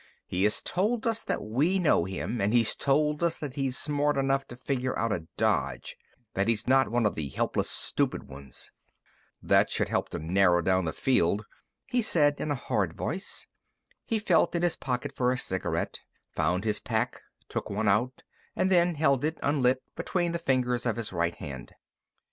He has told us that we know him, and he's told us that he's smart enough to figure out a dodge that he's not one of the helplessly stupid ones." "That should help to narrow the field down," he said in a hard voice. He felt in his pocket for a cigarette, found his pack, took one out, and then held it, unlit, between the fingers of his right hand.